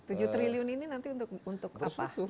tujuh triliun ini nanti untuk apa